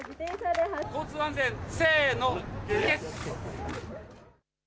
交通安全、せーの、ゲッツ！